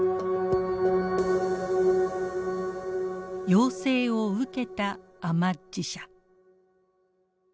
要請を受けたアマッジ社。